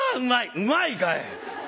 「うまいかい！？